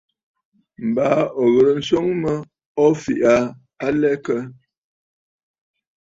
Baa ò ghɨ̀rə nswoŋ mə o fɛ̀ʼ̀ɛ̀ aa a lɛ kə lɛ?